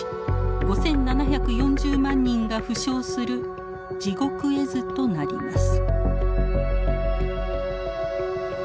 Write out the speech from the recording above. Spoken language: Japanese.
５，７４０万人が負傷する地獄絵図となります。